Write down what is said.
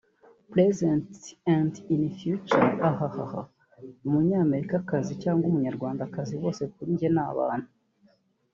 present and in the future…Ahhahah umunyamerikakazi cyangwa umunyarwandakazi bose kuri njye ni abantu